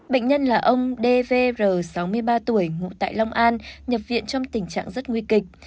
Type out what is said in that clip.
bệnh nhân là ông dvr sáu mươi ba tuổi ngụ tại long an nhập viện trong tình trạng rất nguy kịch